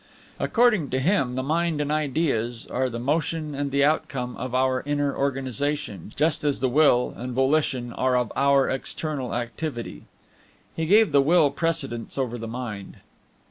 According to him, the Mind and Ideas are the motion and the outcome of our inner organization, just as the Will and Volition are of our external activity. He gave the Will precedence over the Mind.